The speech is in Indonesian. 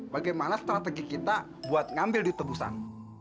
bagaimana strategi kita buat ngambil di tebusan